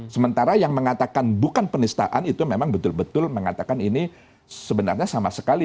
sementara yang mengatakan bukan penistaan itu memang betul betul mengatakan ini sebenarnya sama sekali